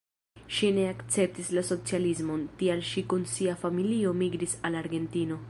Ŝi ne akceptis la socialismon, tial ŝi kun sia familio migris al Argentino.